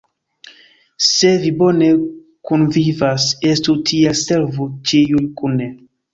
Se vi bone kunvivas, estu tiel: servu ĉiuj kune!